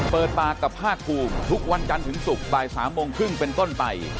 เปิดปากกับภาคภูมิทุกวันจันทร์ถึงศุกร์บ่าย๓โมงครึ่งเป็นต้นไป